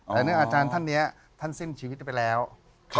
อ๋อแต่อาจารย์ท่านเนี้ยท่านสิ้นชีวิตไปแล้วครับ